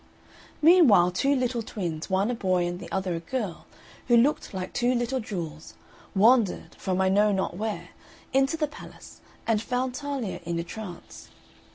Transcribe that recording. Meanwhile, two little twins, one a boy and the other a girl, who looked like two little jewels, wandered, from I know not where, into the palace and found Talia in a trance.